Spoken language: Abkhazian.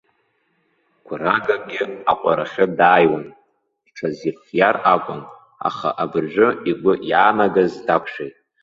Гәрагагьы аҟәарахьы дааиуан, иҽазирхиар акәын, аха абыржәы игәы иаанагаз дақәшәеит.